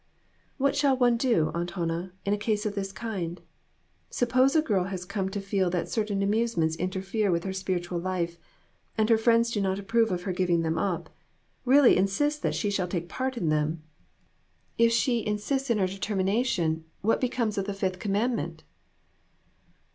"What shall one do, Aunt Hannah, in a case of this kind ? Suppose a girl has come to feel that certain amusements interfere with her spirit ual life, and her friends do not approve of her giving them up really insist that she shall take part in them. If she persist in AN EVENTFUL AFTERNOON. 299 her determination, what becomes of the Fifth Commandment